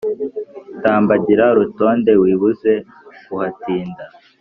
Tambagira Rutonde Wibuze kuhatinda